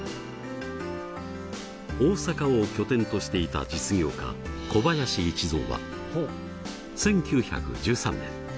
大阪を拠点としていた実業家小林一三は１９１３年